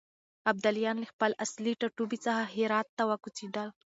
ابداليان له خپل اصلي ټاټوبي څخه هرات ته وکوچېدل.